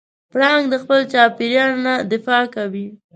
پړانګ د خپل چاپېریال نه دفاع کوي.